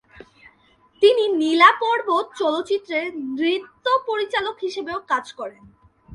তিনি "নীলা পর্বত" চলচ্চিত্রের নৃত্য পরিচালক হিসেবেও কাজ করেন।